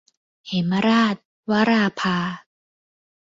เหมราช - วราภา